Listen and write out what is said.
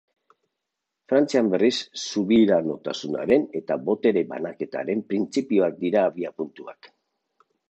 Frantzian, berriz, subiranotasunaren eta botere-banaketaren printzipioak dira abiapuntuak.